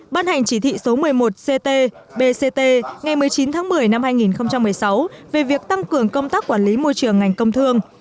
bán hành chỉ thị số một mươi một ct bct ngày một mươi chín tháng một mươi năm hai nghìn một mươi sáu về việc tăng cường công tác quản lý môi trường ngành công thương